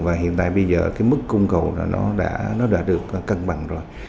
và hiện tại bây giờ mức cung cầu đã được cân bằng rồi